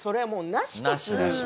なしなし。